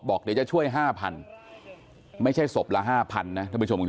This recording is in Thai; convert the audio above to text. บอกเดี๋ยวจะช่วย๕๐๐ไม่ใช่ศพละ๕๐๐นะท่านผู้ชม